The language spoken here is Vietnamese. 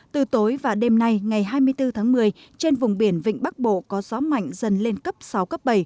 từ tối và đêm nay ngày hai mươi bốn tháng một mươi trên vùng biển vịnh bắc bộ có gió mạnh dần lên cấp sáu cấp bảy